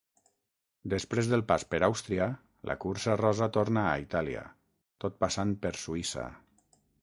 Després del pas per Àustria la cursa rosa torna a Itàlia, tot passant per Suïssa.